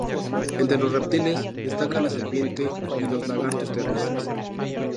Entre los reptiles destaca la serpiente y los lagartos terrestres.